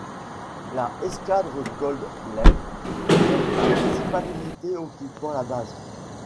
La Escadre Cold Lake est la principale unité occupant la base.